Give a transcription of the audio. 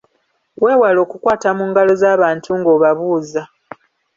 Weewale okukwata mu ngalo z'abantu ng'obabuuza.